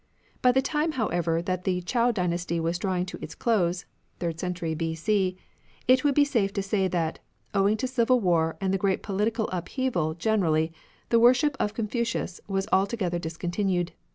By the time however that the Chou dynasty was drawing to its close (third century B.C.), it would be safe to say that, owing to civil war and the great poUtical upheaval generally, the worship of Confucius was alto gether discontinued.